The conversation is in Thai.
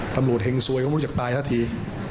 ตำรวจแห่งสวยเขาไม่รู้จะตายซะที